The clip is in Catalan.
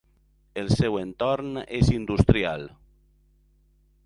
El seu entorn és industrial.